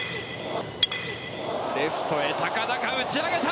レフトへ高々打ち上げた！